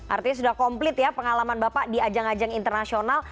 artinya sudah komplit ya pengalaman bapak di ajang ajang internasional